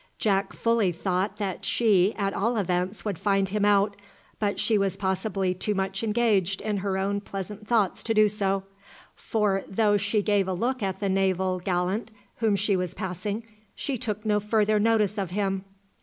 Jack fully thought that she at all events would find him out, but she was possibly too much engaged in her own pleasant thoughts to do so, for though she gave a look at the naval gallant whom she was passing, she took no further notice of him.